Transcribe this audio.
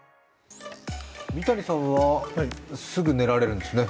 三谷さんは、すぐ寝られるんですね。